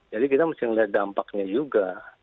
jadi kita mesti melihat dampaknya juga